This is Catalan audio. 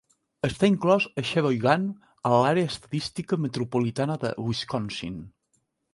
Està inclòs a Sheboygan, en l'àrea estadística metropolitana de Wisconsin.